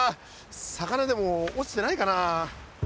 魚でも落ちてないかな。